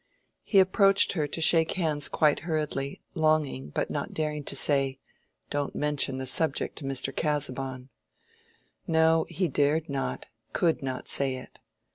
He approached her to shake hands quite hurriedly, longing but not daring to say, "Don't mention the subject to Mr. Casaubon." No, he dared not, could not say it.